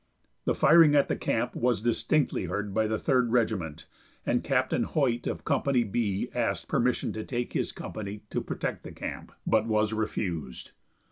The firing at the camp was distinctly heard by the Third Regiment, and Captain Hoyt of Company B asked permission to take his company to protect the camp, but was refused.